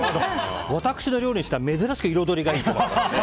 私の料理にしては珍しく彩りがいいと思います。